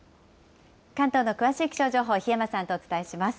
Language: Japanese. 関東の詳しい気象情報、檜山さんとお伝えします。